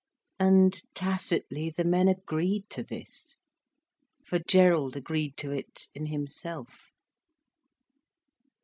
And tacitly, the men agreed to this. For Gerald agreed to it in himself.